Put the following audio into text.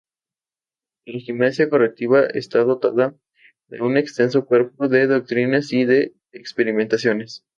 La gimnasia correctiva está dotada de un extenso cuerpo de doctrinas y de experimentaciones.